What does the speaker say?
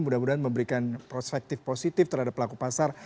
mudah mudahan memberikan perspektif positif terhadap pelaku pasar